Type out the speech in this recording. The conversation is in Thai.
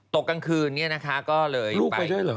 กลางคืนเนี่ยนะคะก็เลยลูกไปด้วยเหรอ